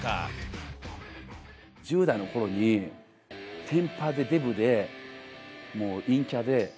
１０代のころにテンパーでデブで陰キャで。